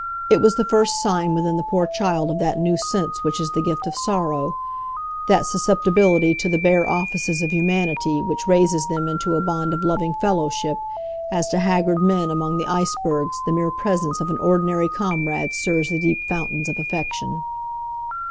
It was the first sign within the poor child of that new sense which is the gift of sorrow,—that susceptibility to the bare offices of humanity which raises them into a bond of loving fellowship, as to haggard men among the ice bergs the mere presence of an ordinary comrade stirs the deep fountains of affection.